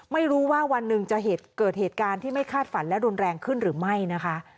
ไม่รู้ว่าวันหนึ่งจะเกิดเหตุการณ์ที่ไม่คาดฝันและรุนแรงขึ้นหรือไม่นะคะ